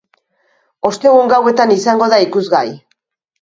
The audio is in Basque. Ostegun gauetan izango da ikusgai.